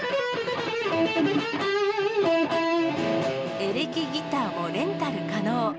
エレキギターもレンタル可能。